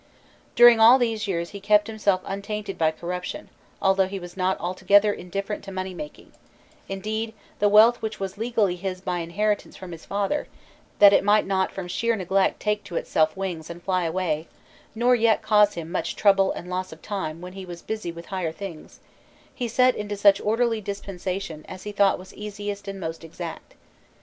During all these years he kept himself ufitainted by corruption, although he was ποῖ altogether indifferent to money making ; indeed, the wealth which was legally his by inheritance from his father, that it might not from sheer neglect take to itself wings and fly away, nor yet cause him much trouble and loss of time when he was busy with higher things, he set into such orderly dispensation as he thought was easiest and most exact.